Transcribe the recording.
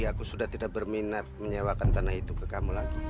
aku sudah tidak berminat menyewakan tanah itu ke kamu lagi